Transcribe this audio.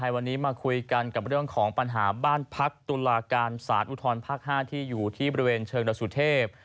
วันนี้มาคุยกันกับเรื่องของปัญหาบ้านพักตุลาการสารอุทธรภาค๕ที่อยู่ที่บริเวณเชิงดรสุเทพ